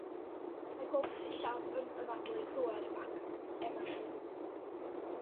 Mae pob sillaf yn anadlu pŵer ac emosiwn.